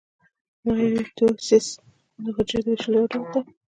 مایټوسیس د حجرې د ویشلو یو ډول دی